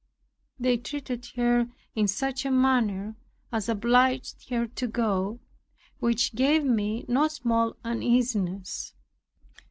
They treated her in such a manner as obliged her to go, which gave me no small uneasiness.